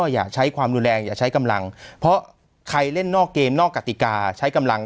อย่าใช้กำลังเพราะใครเล่นนอกเกมนอกกติกาใช้กำลัง